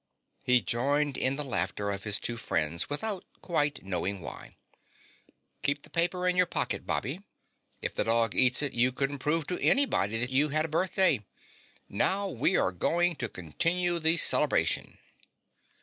He joined in the laughter of his two friends without quite knowing why. "Keep the paper in your pocket, Bobby. If the dog eats it you couldn't prove to anybody that you had a birthday. Now we are going to continue the celebration."